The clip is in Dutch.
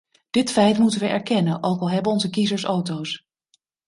Dit feit moeten we erkennen ook al hebben onze kiezers auto's.